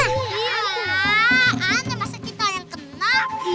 aduh masa kita yang kena